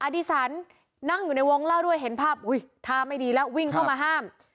ดีสันนั่งอยู่ในวงเล่าด้วยเห็นภาพอุ้ยท่าไม่ดีแล้ววิ่งเข้ามาห้าม